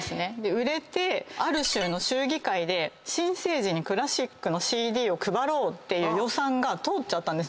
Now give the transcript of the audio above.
売れてある州の州議会で新生児にクラシックのＣＤを配ろうっていう予算が通ったんです。